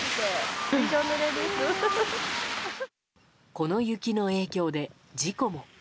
この雪の影響で事故も。